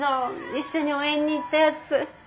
一緒に応援に行ったやつ。